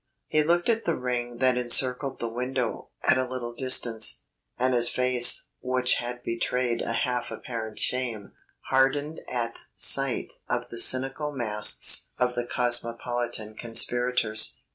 He looked at the ring that encircled the window at a little distance, and his face, which had betrayed a half apparent shame, hardened at sight of the cynical masks of the cosmopolitan conspirators.